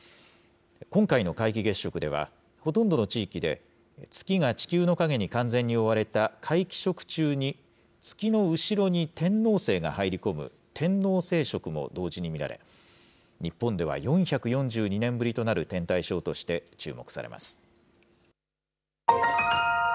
今回の皆既月食では、ほとんどの地域で月が地球の影に完全に覆われた皆既食中に月の後ろに天王星が入り込む天王星食も同時に見られ、日本では４４２年ぶりとなる天体ショーとして注目されます。